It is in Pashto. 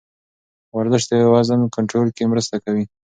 ورزش د وزن کنټرول کې مرسته کوي.